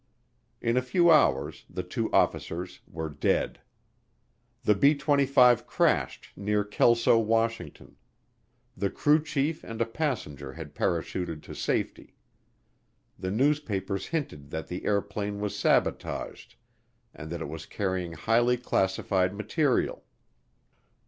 In a few hours the two officers were dead. The B 25 crashed near Kelso, Washington. The crew chief and a passenger had parachuted to safety. The newspapers hinted that the airplane was sabotaged and that it was carrying highly classified material.